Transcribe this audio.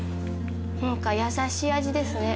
何か優しい味ですね。